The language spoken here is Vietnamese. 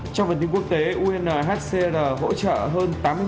trong phần tin quốc tế unhcr hỗ trợ hơn một trăm linh đồng tiền